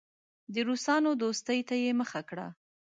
د روسانو دوستۍ ته یې مخه کړه.